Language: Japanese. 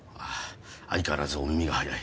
相変わらずお耳が早い。